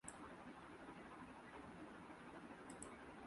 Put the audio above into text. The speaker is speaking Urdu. وہ اپنے نئے منصب کے فرائض کی ادائیگی میں سرخرو ثابت ہوں